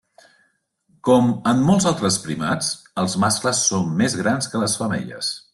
Com en molts altres primats, els mascles són més grans que les femelles.